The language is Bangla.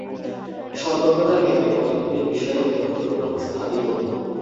সর্বপ্রকার জ্ঞানই কতকগুলি বিষয়ের অনুভূতির উপর স্থাপিত।